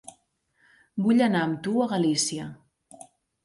Vull anar amb tu a Galícia.